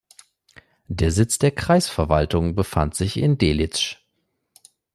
Der Sitz der Kreisverwaltung befand sich in Delitzsch.